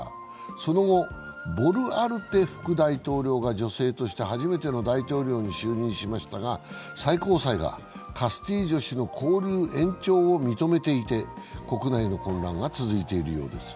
その後、ボルアルテ副大統領が女性として初めての大統領に就任しましたが最高裁がカスティジョ氏の勾留延長を認めていて、国内の混乱が続いているようです。